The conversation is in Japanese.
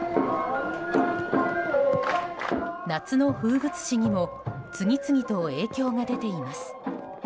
夏の風物詩にも次々と影響が出ています。